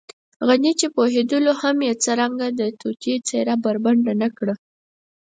غني چې پوهېدلو هم څرنګه يې د توطیې څېره بربنډه نه کړه.